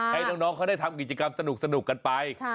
ให้น้องเขาได้ทำกิจกรรมสนุกกันไป